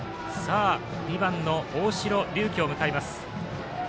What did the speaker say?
２番の大城龍紀を迎えます。